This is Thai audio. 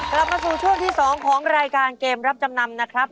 กลับมาสู่ช่วงที่๒ของรายการเกมรับจำนำนะครับ